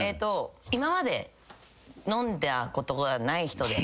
今まで飲んでゃことがない人で。